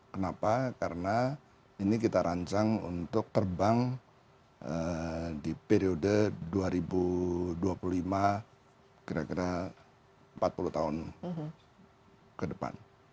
kenapa karena ini kita rancang untuk terbang di periode dua ribu dua puluh lima kira kira empat puluh tahun ke depan